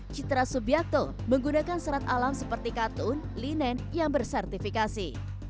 citra subiakto menggunakan serat alam seperti katun linen yang bersertifikasi